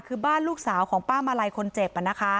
คือบ้านลูกสาวของป้ามาลัยคนเจ็บ